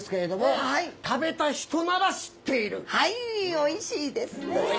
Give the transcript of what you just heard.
おいしいですね！